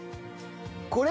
これ？